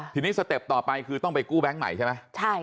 ทีนี้สเต็ปต่อไปคือต้องไปกู้แบงค์ใหม่ใช่ไหม